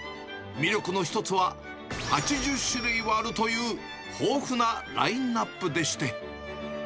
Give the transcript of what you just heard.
魅力の一つは、８０種類はあるという豊富なラインナップでして。